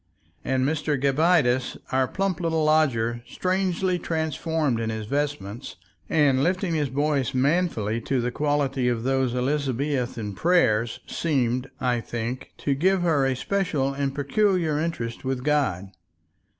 And Mr. Gabbitas, our plump little lodger, strangely transformed in his vestments and lifting his voice manfully to the quality of those Elizabethan prayers, seemed, I think, to give her a special and peculiar interest with God.